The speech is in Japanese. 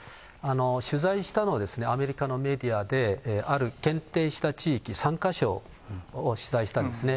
取材したのはアメリカのメディアで、ある限定した地域、３か所を取材したんですね。